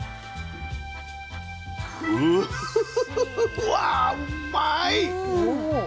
うわうまいッ！